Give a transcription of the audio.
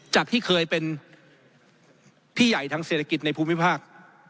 จากที่เคยเป็นพี่ใหญ่ทางเศรษฐกิจในภูมิภาค